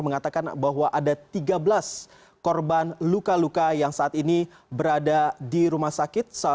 mengatakan bahwa ada tiga belas korban luka luka yang saat ini berada di rumah sakit